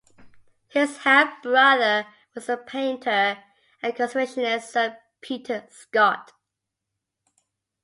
His half-brother was the painter and conservationist Sir Peter Scott.